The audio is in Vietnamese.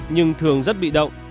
nhưng thường rất bị động